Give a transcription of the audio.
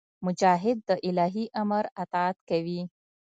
مجاهد د الهي امر اطاعت کوي.